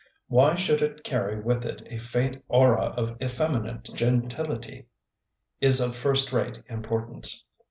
why should it carry with it a faint aura of effeminate gentility? — is of first rate importance.